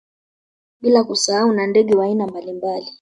Bila kusahau na ndege wa aina mbalimbali